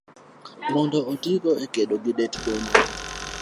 mondo otigo e kedo gi det - bonyo.